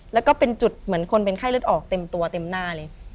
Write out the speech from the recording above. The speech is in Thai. แล้วก็เป็นจุดเหมือนคนเป็นไข้เลือดออกเต็มตัวเต็มหน้าเลย